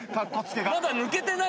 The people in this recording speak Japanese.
まだ抜けてない